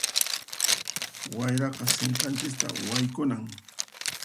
Wayraqa sinqanchista haykunan.